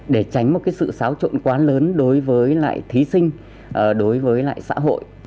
để tránh một cái sự xáo trộn quá lớn đối với lại thí sinh đối với lại xã hội